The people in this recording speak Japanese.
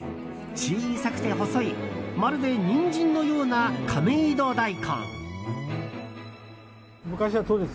小さくて細いまるでニンジンのような亀戸大根。